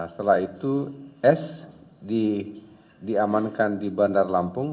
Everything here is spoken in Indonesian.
setelah itu s diamankan di bandar lampung